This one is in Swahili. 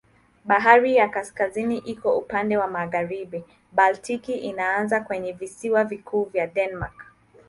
Bahari ya Kaskazini iko upande wa magharibi, Baltiki inaanza kwenye visiwa vikuu vya Denmark.